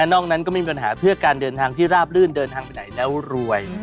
นอกนั้นก็ไม่มีปัญหาเพื่อการเดินทางที่ราบลื่นเดินทางไปไหนแล้วรวย